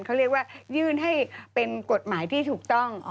เขาเรียกว่ายื่นให้เป็นกฎหมายที่ถูกต้อง